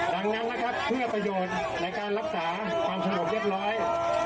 ดังนั้นนะครับเพื่อประโยชน์ในการรักษาความสงบเรียบร้อย